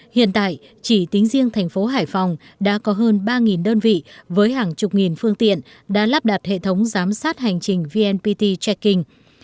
hiện tại chỉ tính riêng thành phố hải phòng đã có hơn ba đơn vị với hàng chục nghìn phương tiện đã lắp đặt hệ thống giám sát hành trình vnpt checking